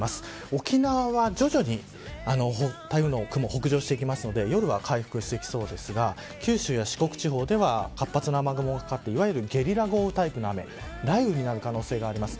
沖縄は徐々に台風の雲、北上していくので夜は回復してきそうですが九州や四国地方では活発な雨雲がかかっていわゆるゲリラ豪雨タイプの雨豪雨になる可能性があります。